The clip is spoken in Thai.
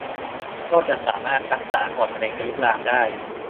ก็จะสามารถรักษาก่อนมะเร็งจะลุกลามได้